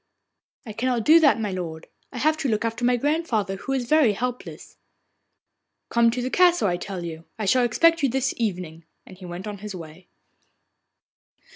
'I cannot do that, my lord. I have to look after my grandmother, who is very helpless.' 'Come to the castle, I tell you. I shall expect you this evening,' and he went on his way.